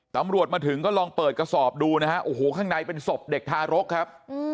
ตำรวจมาถึงก็ลองเปิดกระสอบดูนะฮะโอ้โหข้างในเป็นศพเด็กทารกครับ